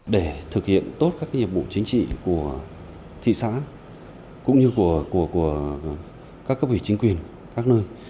để thực hiện tốt các nhiệm vụ chính trị của thị xã cũng như của các cấp ủy chính quyền các nơi